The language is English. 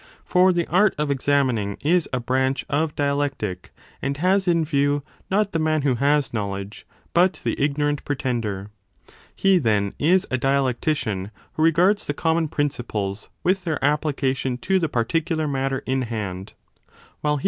For the art of examining is a branch of dialectic and has in view not the man who has 5 knowledge, but the ignorant pretender. He, then, is a dialectician who regards the common principles with their application to the particular matter in hand, while he who 1 171*24.